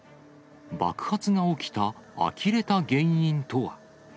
爆発が起きたあきれた原因とは。